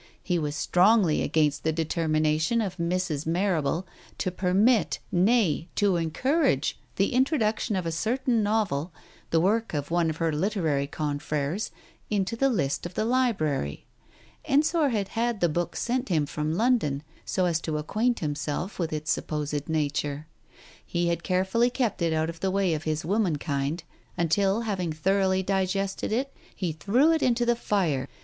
He was strongly against the determination of Mrs. Marrable, to permit, nay, to encourage, the intro Digitized by Google 288 TALES OF THE UNEASY duction of a certain novel, the work of one of her literary confreres, into the list of the Library. Ensor had had the book sent him from London, so as to acquaint himself with its supposed nature. He had carefully kept it out of the way of his womenkind, until having thoroughly digested it, he threw it into the fire.